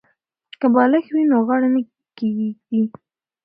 که بالښت وي نو غاړه نه کږیږي.